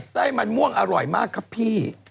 ไส้มันม่วงอร่อยมากครับพี่